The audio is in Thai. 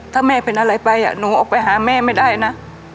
ถ้าแม่เป็นอะไรไปหนูออกไปหาแม่ไม่ได้นะ